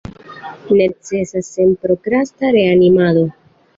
Necesas senprokrasta reanimado.